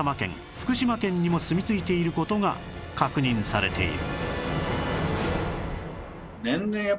福島県にもすみ着いている事が確認されている